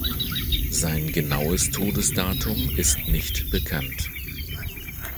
Sein genaues Todesdatum ist nicht bekannt.